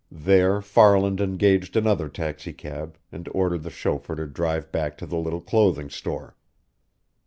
There Farland engaged another taxicab, and ordered the chauffeur to drive back to the little clothing store.